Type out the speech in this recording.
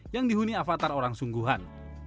yang dihuni avatar orang sungguhan